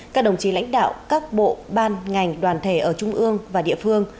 các đồng chí lãnh đạo các bộ ban ngành đoàn thể ở trung ương và địa phương